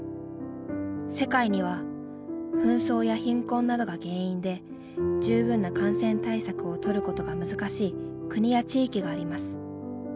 世界には紛争や貧困などが原因で十分な感染対策を取ることが難しい国や地域があります。